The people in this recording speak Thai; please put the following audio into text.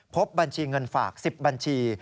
พบบัญชีเงินฝาก๑๐บัญชี